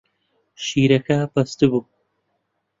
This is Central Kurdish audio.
شیرەکە بەستبوو.